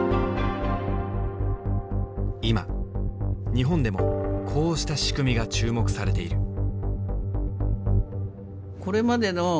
今日本でもこうした仕組みが注目されている。